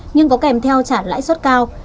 nhưng có kèm theo trả lãi suất cao